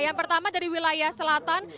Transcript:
yang pertama dari wilayah selatan